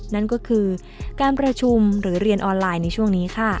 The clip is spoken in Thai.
นั่นก็คือการประชุมหรือเรียนออนไลน์ในช่วงนี้ค่ะ